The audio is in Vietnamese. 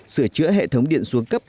sửa chữa hệ thống điện xuống cấp